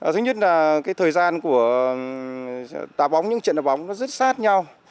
thứ nhất là cái thời gian của đào bóng những chuyện đào bóng nó rất sát nhau